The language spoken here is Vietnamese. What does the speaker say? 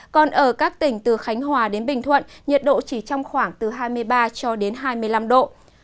còn ở các tỉnh từ khánh hòa đến bình thuận nhiệt độ chỉ trong khoảng từ hai mươi ba cho đến hai mươi năm độ